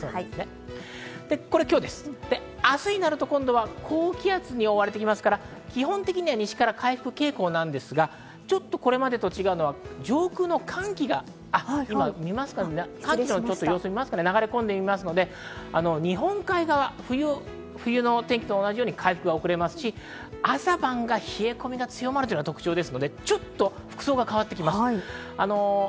明日になると、今度は高気圧に覆われてきますから、基本的には西から回復傾向なんですが、ちょっとこれまでと違うのは上空の寒気が流れ込んできますので、日本海側、冬の天気と同じように回復が遅れますし、朝晩が冷え込みが強まるのが特徴ですから、ちょっと服装が変わってきます。